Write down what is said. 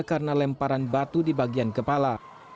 karena lemparan batu di bagian kepala